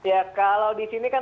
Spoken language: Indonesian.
ya kalau di sini kan